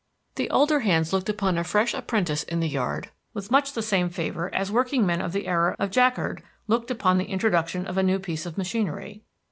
The older hands looked upon a fresh apprentice in the yard with much the same favor as workingmen of the era of Jacquard looked upon the introduction of a new piece of machinery.